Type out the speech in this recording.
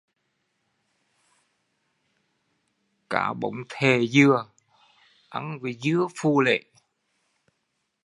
Cá Bống thệ dừa, ăn với dưa Phù Lễ